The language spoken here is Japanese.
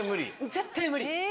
絶対無理。